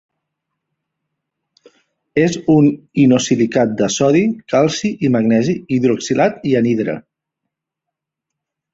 És un inosilicat de sodi, calci i magnesi, hidroxilat i anhidre.